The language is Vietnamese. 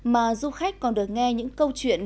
mà du khách còn được nghe những câu chuyện